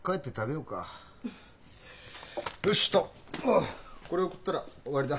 おうこれを送ったら終わりだ。